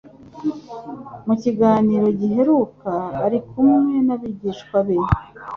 Mu kiganiro giheruka ari kumwe n'abigishwa be,